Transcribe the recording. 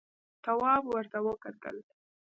تواب ور وکتل.